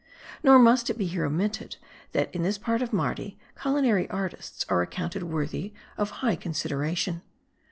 Nor must it here be omitted, that in this part of Mardi culinary artists are accounted worthy^pf high consid eration.